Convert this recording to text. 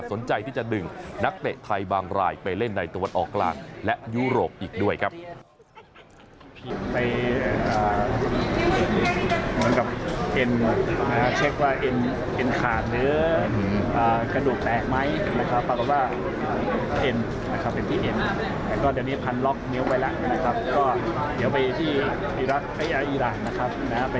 สนใจที่จะดึงนักเตะไทยบางรายไปเล่นในตะวันออกกลางและยุโรปอีกด้วยครับ